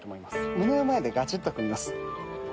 胸の前でガチっと組みます。